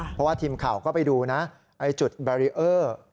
เพราะว่าทีมข่าวก็ไปดูนะไอ้จุดแบรีเออร์